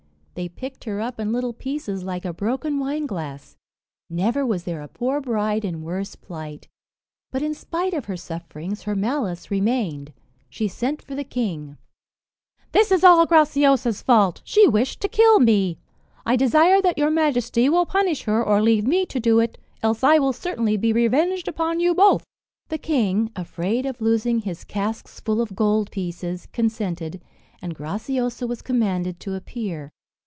They picked her up in little pieces, like a broken wineglass; never was there a poor bride in worse plight. But in spite of her sufferings her malice remained. She sent for the king: "This is all Graciosa's fault; she wished to kill me. I desire that your majesty will punish her, or leave me to do it else I will certainly be revenged upon you both." The king, afraid of losing his casks full of gold pieces, consented, and Graciosa was commanded to appear.